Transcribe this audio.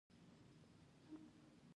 ایا ستاسو پوهنتون معیاري نه دی؟